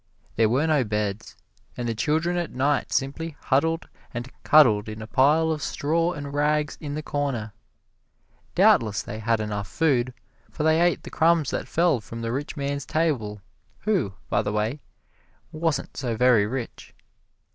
There were no beds, and the children at night simply huddled and cuddled in a pile of straw and rags in the corner. Doubtless they had enough food, for they ate the crumbs that fell from the rich man's table who, by the way, wasn't so very rich.